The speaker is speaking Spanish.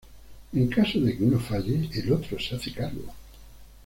En caso de que uno falle el otro se hace cargo.